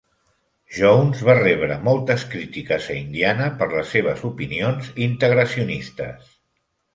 Jones va rebre moltes crítiques a Indiana per les seves opinions integracionistes.